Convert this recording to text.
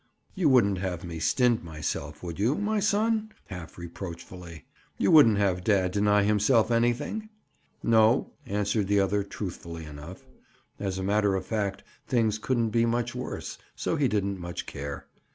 "You wouldn't have me stint myself, would you, my son?" Half reproachfully. "You wouldn't have dad deny himself anything?" "No," answered the other truthfully enough. As a matter of fact things couldn't be much worse, so he didn't much care.